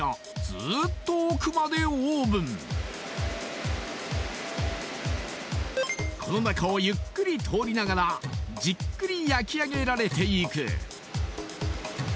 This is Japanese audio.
ずーっと奥までオーブンこの中をゆっくり通りながらじっくり焼き上げられていく